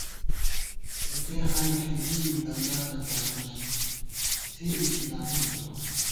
اِتےحالاں فېدِی بی اللہ نہ پیانُوس سےبی کی زانِبہ تو